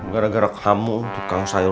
gara gara kamu untuk kamu selamatkan aku